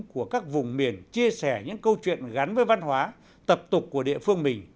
của các vùng miền chia sẻ những câu chuyện gắn với văn hóa tập tục của địa phương mình